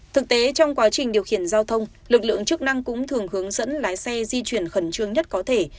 thực tế trong quá trình điều khiển giao thông lực lượng chức năng cũng thường hướng dẫn lái xe di chuyển khẩn trương nhất có thể